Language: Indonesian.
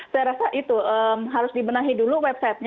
saya rasa itu harus dibenahi dulu websitenya